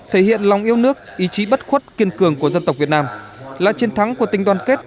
thể hiện lòng yêu nước ý chí bất khuất kiên cường của dân tộc việt nam là chiến thắng của tình đoàn kết